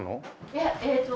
いやえっと